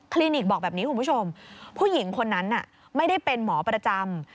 ลินิกบอกแบบนี้คุณผู้ชมผู้หญิงคนนั้นไม่ได้เป็นหมอประจำ